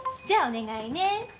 じゃあお願いね。